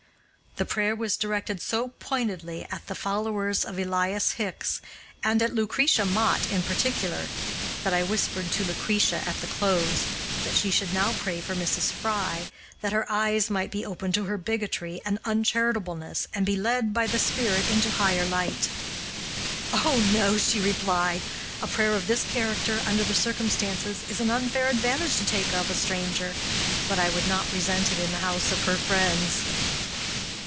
The prayer was directed so pointedly at the followers of Elias Hicks, and at Lucretia Mott in particular, that I whispered to Lucretia, at the close, that she should now pray for Mrs. Fry, that her eyes might be opened to her bigotry and uncharitableness, and be led by the Spirit into higher light. "Oh, no!" she replied, "a prayer of this character, under the circumstances, is an unfair advantage to take of a stranger, but I would not resent it in the house of her friends."